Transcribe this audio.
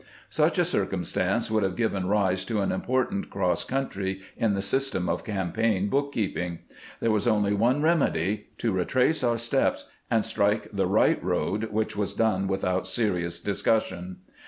Such a circumstance would have given rise to an important cross entry in the system of cam paign bookkeeping. There was only one remedy — to retrace our steps and strike the right road, which was done without serious discussion.